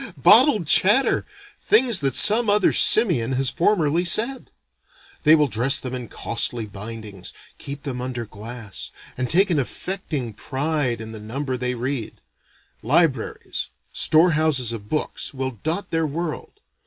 Bottled chatter! things that some other simian has formerly said. They will dress them in costly bindings, keep them under glass, and take an affecting pride in the number they read. Libraries store houses of books, will dot their world.